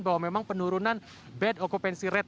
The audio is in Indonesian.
bahwa memang penurunan bed occupancy rate